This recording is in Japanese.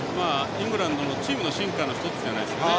イングランドのチームの進化の１つじゃないですかね。